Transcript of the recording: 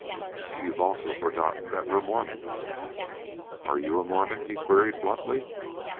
"You've also forgotten that we're Mormons." "Are you a Mormon?" he queried bluntly.